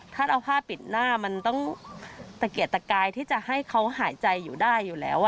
ถ้าเอาผ้าปิดหน้ามันต้องตะเกียดตะกายที่จะให้เขาหายใจอยู่ได้อยู่แล้ว